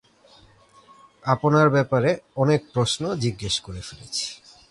আপনার ব্যাপারে অনেক প্রশ্ন জিজ্ঞেস করে ফেলেছি।